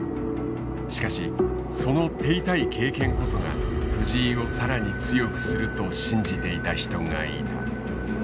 しかしその手痛い経験こそが藤井をさらに強くすると信じていた人がいた。